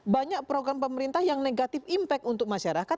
banyak program pemerintah yang negatif impact untuk masyarakat